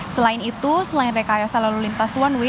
selain itu selain rekayasa lalu lintas one way